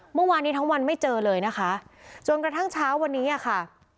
เมื่อวานนี้ทั้งวันไม่เจอเลยนะคะจนกระทั่งเช้าวันนี้อ่ะค่ะ